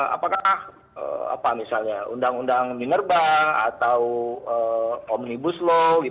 apakah misalnya undang undang minerba atau omnibus law